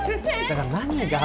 だから何が？